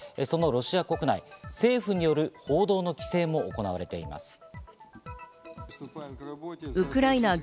そんなロシア国内では政府による報道規制も行われています。